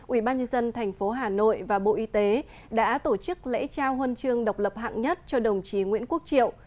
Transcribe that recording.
ủy ban nhân dân tp hà nội và bộ y tế đã tổ chức lễ trao huân chương độc lập hạng nhất cho đồng chí nguyễn quốc triệu